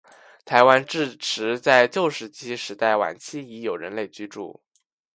台湾至迟在旧石器时代晚期已有人类居住。